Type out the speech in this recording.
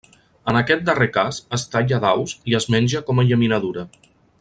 En aquest darrer cas es talla a daus i es menja com a llaminadura.